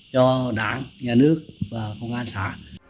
cho đảng nhà nước và công an xã